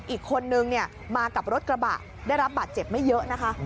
อีกคนนึงมากับรถกระบะได้รับบาดเจ็บไม่เยอะนะคะ